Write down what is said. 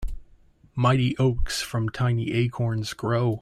Mighty oaks from tiny acorns grow.